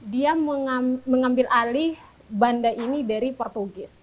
dia mengambil alih banda ini dari portugis